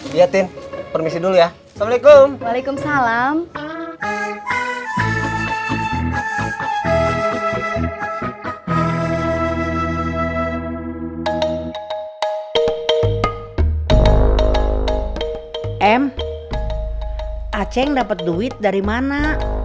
lihatin permisi dulu ya assalamualaikum waalaikumsalam m aceh dapat duit dari mana